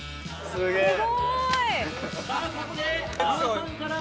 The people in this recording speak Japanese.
すごい！